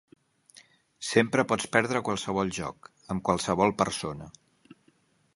Sempre pots perdre qualsevol joc, amb qualsevol persona.